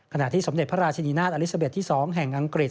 ที่สมเด็จพระราชนีนาฏอลิซาเบสที่๒แห่งอังกฤษ